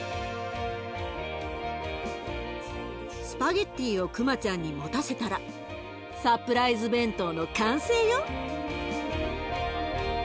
スパゲッティをくまちゃんに持たせたらサプライズ弁当の完成よ。